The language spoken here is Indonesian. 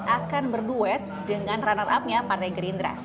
akan berduet dengan runner upnya partai gerindra